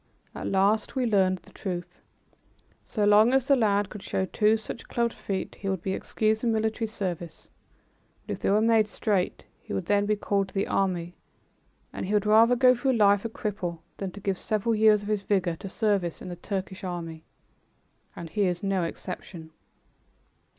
At last we learned the truth. So long as the lad could show two such clubbed feet, he would be excused from military service; but if they were made straight he would be called to the army; and he would rather go through life a cripple than to give several years of his vigor to service in the Turkish army. And he is no exception.